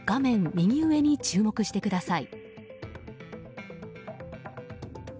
右上に注目してください。